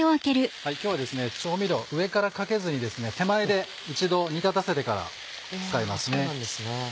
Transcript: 今日は調味料上からかけずに手前で一度煮立たせてから使いますね。